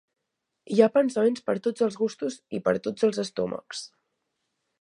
Hi ha pensaments per a tots els gustos i per a tots els estómacs.